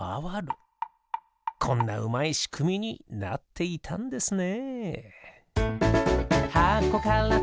こんなうまいしくみになっていたんですね。